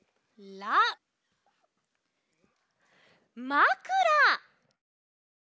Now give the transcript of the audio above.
「まくら」！